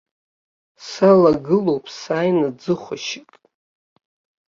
Салагылоуп сааины ӡыхәашьк.